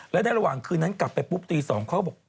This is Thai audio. และในระหว่างคืนนั้นกลับไปปุ๊บตี๒เขาบอก